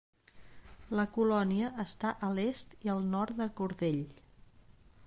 La colònia està a l'est i al nord de Cordell.